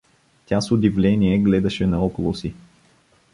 Тя с удивление гледаше наоколо си.